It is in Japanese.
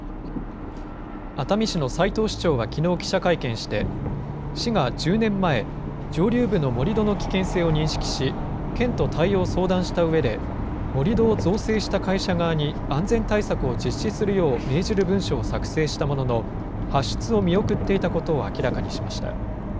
熱海市の斉藤市長はきのう、記者会見して、市が１０年前、上流部の盛り土の危険性を認識し、県と対応を相談したうえで、盛り土を造成した会社側に安全対策を実施するよう命じる文書を作成したものの、発出を見送っていたことを明らかにしました。